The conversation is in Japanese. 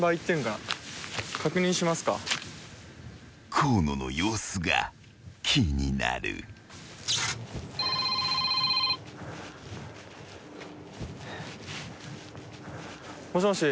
［河野の様子が気になる］もしもし。